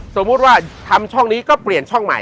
สมมุติว่าทำช่องนี้ก็เปลี่ยนช่องใหม่